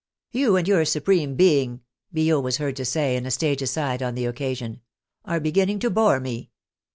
" You and your Supreme Being," Billaud was heard to say in a stage aside on the occasion, " are beginning to bore me."